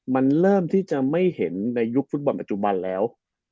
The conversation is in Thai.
มันเริ่มที่จะไม่เห็นในยุคฟุตบอลปัจจุบันแล้ว